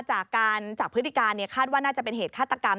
จากพฤติการคาดว่าน่าจะเป็นเหตุฆาตกรรม